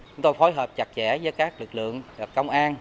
chúng tôi phối hợp chặt chẽ với các lực lượng công an